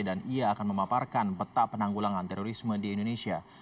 dan ia akan memaparkan betak penanggulangan terorisme di indonesia